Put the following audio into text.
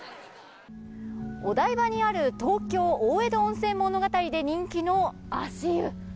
お台場にある東京大江戸温泉で人気の足湯。